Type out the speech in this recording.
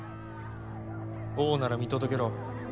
王なら見届けろ。